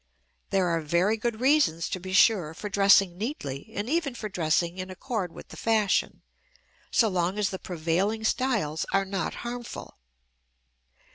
There are very good reasons, to be sure, for dressing neatly and even for dressing in accord with the fashion, so long as the prevailing styles are not harmful.